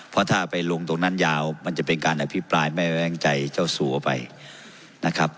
เพราะถ้าไปลงตรงนั้นยาวมันจะเป็นการอภิปรายไม่แว้งใจเจ้าสัวไปนะครับ